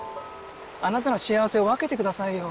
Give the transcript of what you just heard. あなたの幸せを分けてくださいよ。